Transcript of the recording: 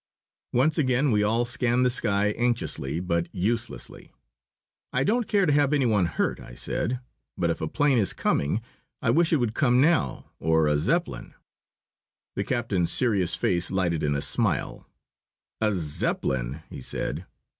Once again we all scanned the sky anxiously, but uselessly. "I don't care to have any one hurt," I said; "but if a plane is coming I wish it would come now. Or a Zeppelin." The captain's serious face lighted in a smile. "A Zeppelin!" he said.